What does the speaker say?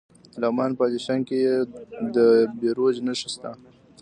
د لغمان په الیشنګ کې د بیروج نښې شته.